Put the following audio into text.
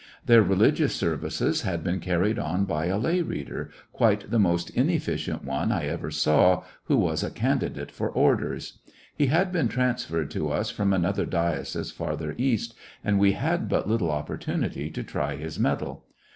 Their religious services had been carried on by a lay reader, quite the most inefficient one I ever saw, who was a candidate for orders He had been transferred to us from another diocese farther east^ and we had but little op portiinity to try his mettle.